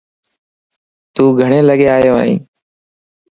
تون گڙين لگين آئين وينيَ؟